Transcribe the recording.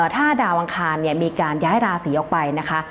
ถ้าดาวอังคารมีการย้ายราศีออกไปนะคะ